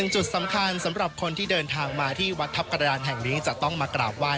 จุดสำคัญสำหรับคนที่เดินทางมาที่วัดทัพกระดานแห่งนี้จะต้องมากราบไหว้